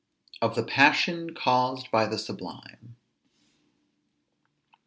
OF THE PASSION CAUSED BY THE SUBLIME.